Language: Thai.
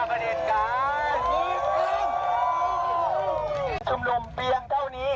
ทั้งวัดชุมนุมเปียงเท่านี้